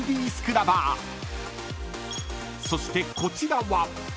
［そしてこちらは］